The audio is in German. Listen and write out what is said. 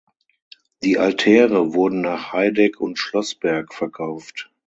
Die Altäre wurden nach Heideck und Schloßberg verkauft.